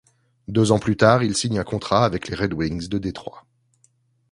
Deux ans plus tard, il signe un contrat avec les Red Wings de Détroit.